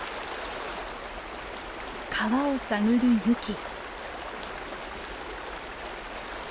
川を探るユキ。